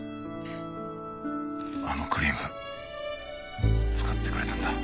あのクリーム使ってくれたんだ。